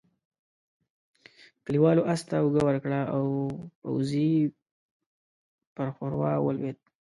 کليوالو آس ته اوږه ورکړه او پوځي پر ښوروا ولوېد.